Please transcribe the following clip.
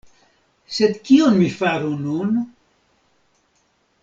Sed kion mi faru nun?